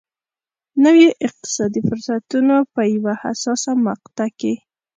نویو اقتصادي فرصتونو په یوه حساسه مقطعه کې.